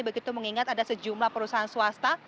begitu mengingat ada sejumlah perusahaan swasta